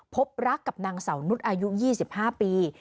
พบรักกับนางเสานุษย์อายุ๒๕ปี